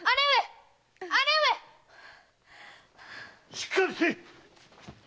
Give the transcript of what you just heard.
しっかりせい！